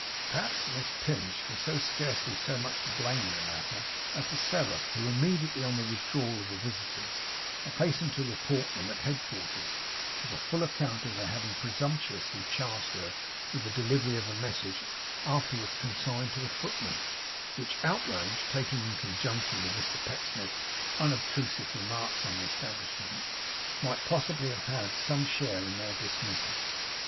Perhaps Miss Pinch was scarcely so much to blame in the matter as the Seraph, who, immediately on the withdrawal of the visitors, had hastened to report them at head quarters, with a full account of their having presumptuously charged her with the delivery of a message afterwards consigned to the footman; which outrage, taken in conjunction with Mr Pecksniff's unobtrusive remarks on the establishment, might possibly have had some share in their dismissal.